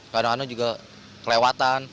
kadang kadang juga kelewatan